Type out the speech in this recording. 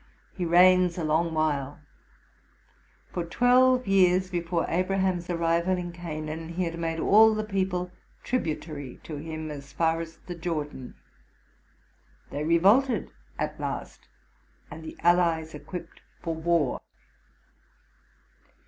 He reigns a long while; for twelve years before Abraham's arrival in Canaan, he had made all the people tributary to him as far as the Jordan. They revolted at last, and the allies equipped for war.